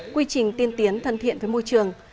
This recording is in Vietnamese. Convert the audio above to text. quy trình tiên tiến thân thiện với môi trường